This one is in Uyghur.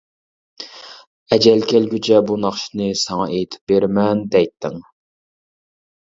ئەجەل كەلگۈچە بۇ ناخشىنى ساڭا ئېيتىپ بېرىمەن دەيتتىڭ.